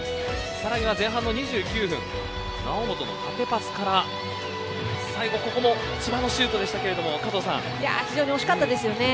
さらには、前半の２９分猶本の縦パスから最後ここも千葉の非常に惜しかったですよね。